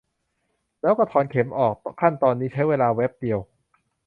แล้วก็ถอนเข็มออก ขั้นตอนนี้ใช้เวลาแวบเดียว